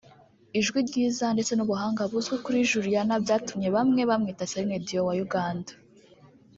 Ijwi ryiza ndetse n’ubuhanga buzwi kuri Juliana byatumye bamwe bamwita Celine Dion wa Uganda